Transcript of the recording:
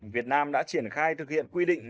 việt nam đã triển khai thực hiện quy định